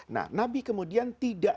nah nabi kemudian